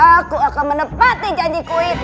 aku akan menepati janji ku itu